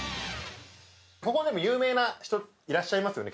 ここ有名な人いらっしゃいますよね？